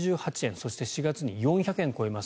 そして４月に４００円を超えます